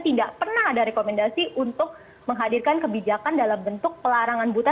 tidak pernah ada rekomendasi untuk menghadirkan kebijakan dalam bentuk pelarangan buta